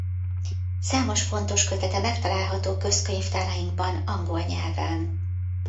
Számos fontos kötete megtalálható közkönyvtárainkban angol nyelven.